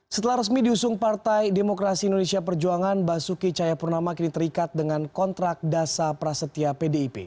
setelah resmi diusung partai demokrasi indonesia perjuangan basuki cahayapurnama kini terikat dengan kontrak dasa prasetya pdip